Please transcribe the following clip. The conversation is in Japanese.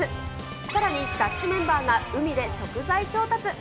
さらに、ＤＡＳＨメンバーが海で食材調達。